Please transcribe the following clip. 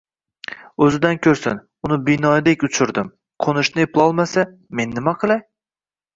O‘zidan ko‘rsin, uni binoyidek uchirdim, qo‘nishni eplolmasa, men nima qilay?